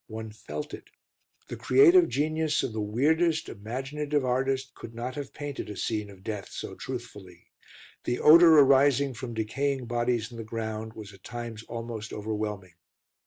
One felt it. The creative genius of the weirdest, imaginative artist could not have painted a scene of death so truthfully. The odour arising from decaying bodies in the ground was at times almost overwhelming.